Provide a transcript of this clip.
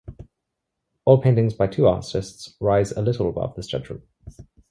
Oil paintings by two artists rise a little above this judgment.